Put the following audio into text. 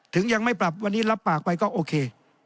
ยังไม่ปรับวันนี้รับปากไปก็โอเค